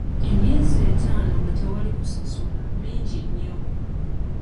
Emyezi ettaano nga tewali kusasula mingi nnyo.